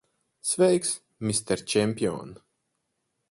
Sveiks, mister čempion!